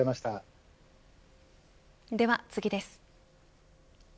では次です。